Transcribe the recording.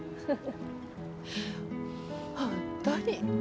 本当に。